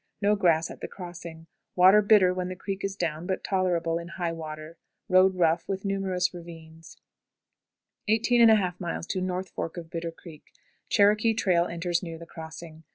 No grass at the crossing. Water bitter when the creek is down, but tolerable in high water. Road rough, with numerous ravines. 18 1/2. North Fork of Bitter Creek. Cherokee trail enters near the crossing.